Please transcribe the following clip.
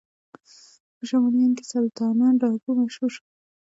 په شمالي هند کې سلطانه ډاکو مشهور شو.